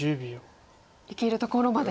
いけるところまで。